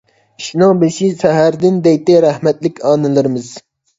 «ئىشنىڭ بېشى سەھەردىن» دەيتتى رەھمەتلىك ئانىلىرىمىز.